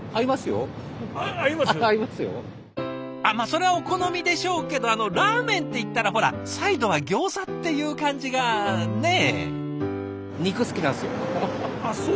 それはお好みでしょうけどあのラーメンっていったらほらサイドはギョーザっていう感じがね。